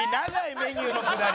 メニューのくだり。